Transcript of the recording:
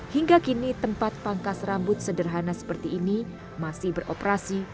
hingga kini tempat pangkas rambut sederhana seperti ini masih beroperasi